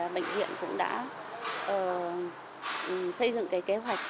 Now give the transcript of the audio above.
bệnh viện cũng đã xây dựng kế hoạch